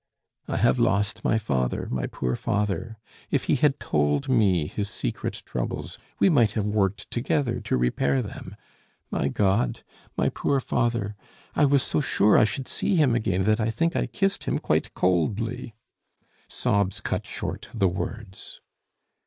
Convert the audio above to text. "I have lost my father, my poor father! If he had told me his secret troubles we might have worked together to repair them. My God! my poor father! I was so sure I should see him again that I think I kissed him quite coldly " Sobs cut short the words.